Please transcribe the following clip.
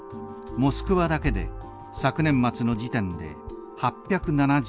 モスクワだけで昨年末の時点で８７２。